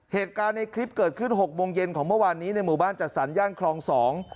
เหตุการณ์ในคลิปเกิดขึ้นหกโมงเย็นของเมื่อวานนี้ในหมู่บ้านจัดสรรย่านคลองสอง